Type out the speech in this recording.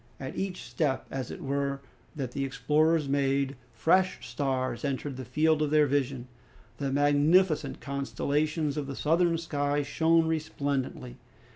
At each step, as it were, that the explorers made, fresh stars entered the field of their vision. The magnificent constellations of the southern sky shone resplendently.